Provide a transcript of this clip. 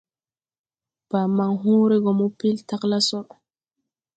Baa man hõõre go mo pel tagla so.